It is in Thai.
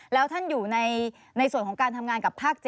แล้วท่านอยู่ในส่วนของการทำงานกับภาค๗